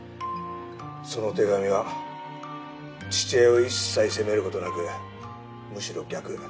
その手紙は父親を一切責める事なくむしろ逆。